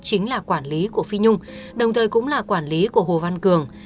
chính là quản lý của phi nhung đồng thời cũng là quản lý của hồ văn cường